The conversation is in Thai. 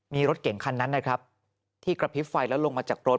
มีรถเก่งคันนั้นนะครับที่กระพริบไฟแล้วลงมาจากรถ